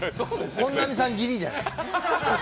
本並さん、ギリじゃないですか？